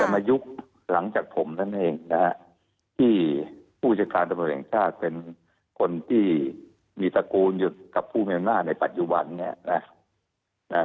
มายุคหลังจากผมนั่นเองนะฮะที่ผู้จัดการตำรวจแห่งชาติเป็นคนที่มีตระกูลอยู่กับผู้มีอำนาจในปัจจุบันเนี่ยนะ